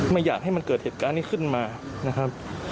ไม่อยากให้มันเกิดเหตุการณ์นี้ขึ้นมานะครับ